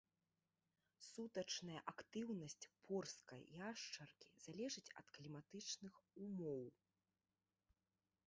Сутачная актыўнасць порсткай яшчаркі залежыць ад кліматычных умоў.